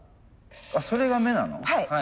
あそれが目なの。